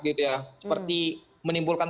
gitu ya seperti menimbulkan